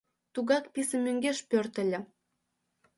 Тугак писын мӧҥгеш пӧртыльӧ.